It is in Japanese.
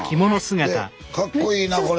ねえ。でかっこいいなこれ。